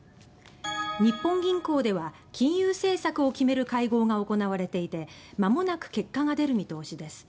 日本銀行では金融政策を決める会合が行われていてまもなく結果が出る見通しです。